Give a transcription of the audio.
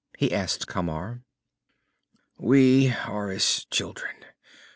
he asked of Camar. "We are as children.